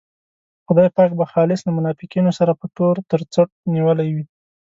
خدای پاک به خالص له منافقینو سره په تور تر څټ نیولی وي.